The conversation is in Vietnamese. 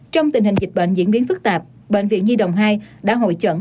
trong tình hình dịch bệnh diễn biến phức tạp bệnh viện di đồng hai đã hội trận